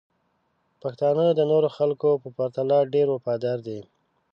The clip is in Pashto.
پښتانه د نورو خلکو په پرتله ډیر وفادار دي.